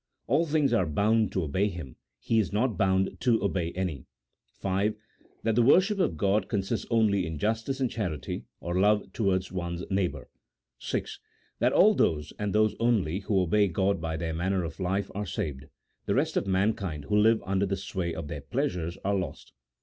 All things are bound to> obey Him, He is not bound to obey any. V. That the worship of God consists only in justice and charity, or love towards one's neighbour. VI. That all those, and those only, who obey God by their manner of life are saved ; the rest of mankind, who live under the sway of their pleasures, are lost.